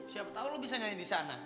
siapa tahu lo bisa nyanyi di sana